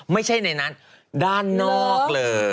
ไม่ใช่ในนั้นด้านนอกเลย